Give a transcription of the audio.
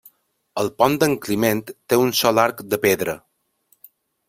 El pont d'en Climent té un sol arc de pedra.